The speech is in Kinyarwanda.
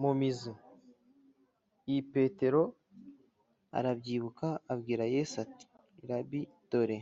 Mu mizi i petero arabyibuka abwira yesu ati rabi dore